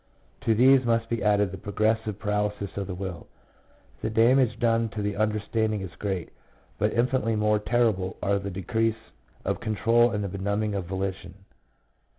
To these must be added the progressive paralysis of the will. The damage done to the under standing is great, but infinitely more terrible are the decrease of control and the benumbing of volition.